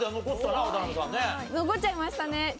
残っちゃいましたね。